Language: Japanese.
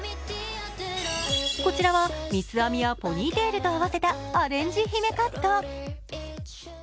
こちらは三つ編みやポニーテールと合わせたアレンジ姫カット。